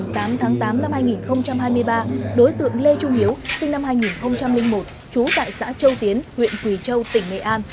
ngày tám tháng tám năm hai nghìn hai mươi ba đối tượng lê trung hiếu sinh năm hai nghìn một trú tại xã châu tiến huyện quỳ châu tỉnh nghệ an